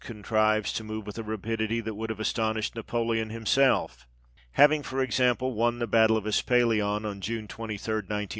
contrives to move with a rapidity that would have astonished Napoleon himself. Having, for example, won the battle of Espalion xxvi THE EDITOR'S PREFACE.